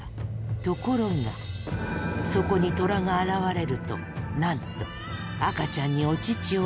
ところがそこにトラが現れるとなんと赤ちゃんにお乳を与えたそうな。